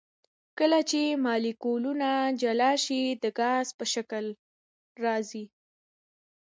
کله چې مالیکولونه جلا شي د ګاز په شکل راځي.